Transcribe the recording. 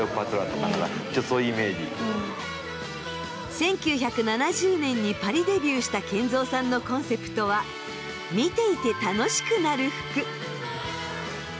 １９７０年にパリデビューした賢三さんのコンセプトは見ていて楽しくなる服。